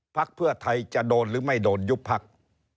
ภักดิ์เพื่อไทยจะโดนหรือไม่โดนยุบภักดิ์